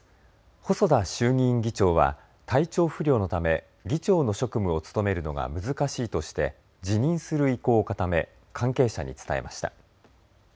細田衆議院議長は体調不良のため議長の職務を務めるのが難しいとして辞任する意向を固め関係者に伝えました。